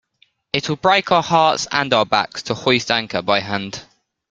It will break our hearts and our backs to hoist anchor by hand.